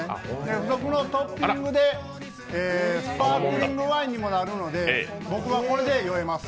付属のトッピングでスパークリングワインにもなるので僕はこれで酔えます。